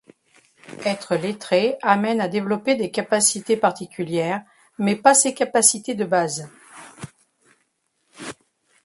Être lettré amène à développer des capacités particulières mais pas ces capacités de base.